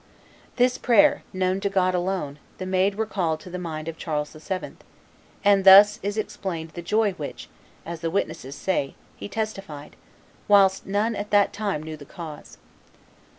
This prayer, known to God alone, the Maid recalled to the mind of Charles VII.; and thus is explained the joy which, as the witnesses say, he testified, whilst none at that time knew the cause.